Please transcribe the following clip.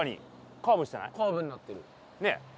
カーブになってるねえ